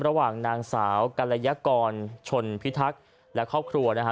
ระหว่างนางสาวกรยากรชนพิทักษ์และครอบครัวนะฮะ